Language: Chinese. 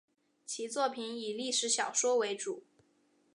其作品以历史小说为主。